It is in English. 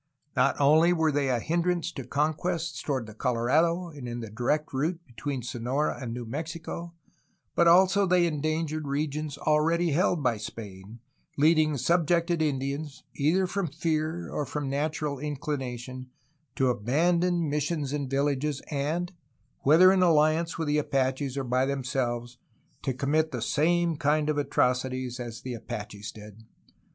Not only were they a hindrance to conquests toward the Colorado, and in the direct route between Sonora and New Mexico, but also they endangered regions already held by Spain, leading subjected Indians, either from fear or from natural inclination, to abandon missions and villages, and, whether in alliance with the Apaches or by themselves, to commit the same kind of atrocities as the Apa ches did.